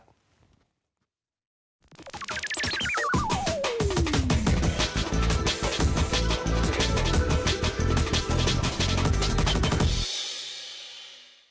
โปรดติดตามตอนต่อไป